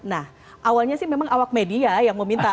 nah awalnya sih memang awak media yang meminta